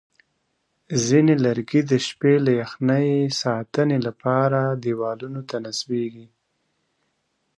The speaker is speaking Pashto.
ځینې لرګي د شپې له یخنۍ ساتنې لپاره دیوالونو ته نصبېږي.